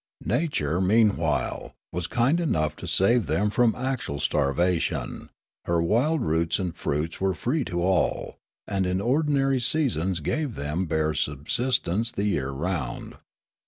Nature, meanwhile, was kind enough to save them from actual starvation ; her wild roots and fruits were free to all, and in ordinary seasons gave them bare subsistence the j'ear round.